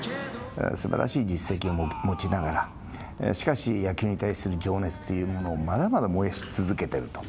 すばらしい実績を持ちながらしかし、野球に対する情熱というものをまだまだ燃やし続けていると。